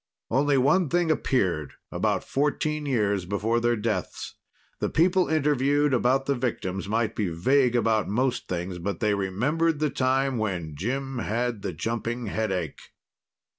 Only one thing appeared, about fourteen years before their deaths. The people interviewed about the victims might be vague about most things, but they remembered the time when "Jim had the jumping headache."